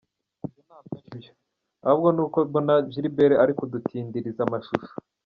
Ibyo ntabwo ari byo, ahubwo ni uko mbona Gilbert ari kudutindiriza amashusho.